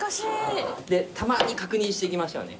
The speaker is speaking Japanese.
たまに確認していきましょうね。